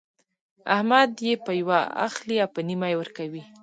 احمد يې په يوه اخلي او په نيمه يې ورکوي.